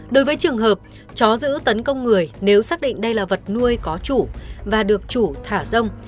đối với trường hợp chó giữ tấn công người nếu xác định đây là vật nuôi có chủ và được chủ thả rông